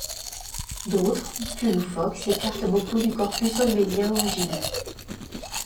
D'autres, plus loufoques, s'écartent beaucoup du corpus holmésien original.